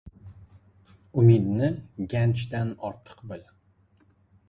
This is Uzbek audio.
— Umidni ganjdan ortiq bil.